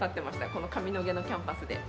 この上野毛のキャンパスで。